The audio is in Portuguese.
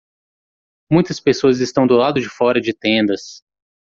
Muitas pessoas estão do lado de fora de tendas.